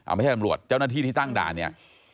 ไม่ใช่ตำรวจเจ้าหน้าที่ที่ตั้งด่านเนี่ย